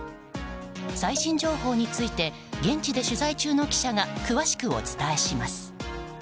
最新情報について現地で取材中の記者が詳しくお伝えします。